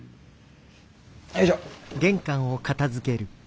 よいしょ。